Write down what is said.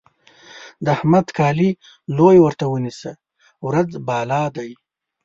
د احمد کالي لوی ورته ونيسه؛ ورځ بالا دی.